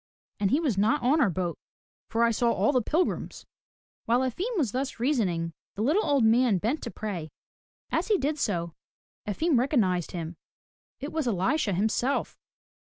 And he was not on our boat for I saw all the pilgrims.'* While Efim was thus reasoning, the little old man bent to pray. As he did so, Efim recognized him. It was Elisha himself.